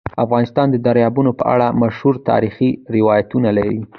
افغانستان د دریابونه په اړه مشهور تاریخی روایتونه لري.